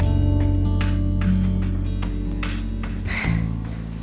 ya makasih pak